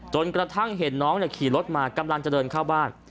จนกระทั่งเห็นน้องขี่รถมากำลังจะเดินเข้าบ้าน